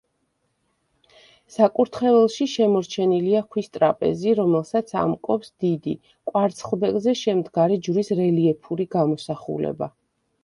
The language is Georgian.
საკურთხეველში შემორჩენილია ქვის ტრაპეზი, რომელსაც ამკობს დიდი, კვარცხლბეკზე შემდგარი ჯვრის რელიეფური გამოსახულება.